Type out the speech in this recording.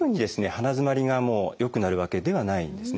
鼻づまりが良くなるわけではないんですね。